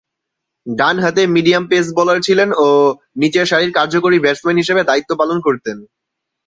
ডানহাতে medium pace bowler ছিলেন ও নিচেরসারির কার্যকরী ব্যাটসম্যান হিসেবে দায়িত্ব পালন করতেন।